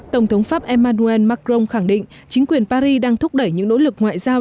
tổng thống pháp emmanuel macron khẳng định chính quyền paris đang thúc đẩy những nỗ lực ngoại giao